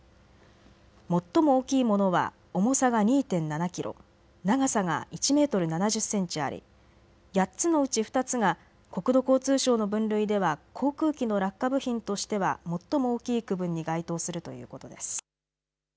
最も大きいものは重さが２．７キロ、長さが１メートル７０センチあり、８つのうち２つが国土交通省の分類では航空機の落下部品としては最も大きい区分に該当するということです。